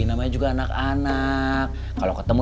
tapi disini kayaknya ada deh